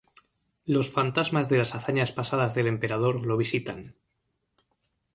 Los fantasmas de las hazañas pasadas del emperador lo visitan.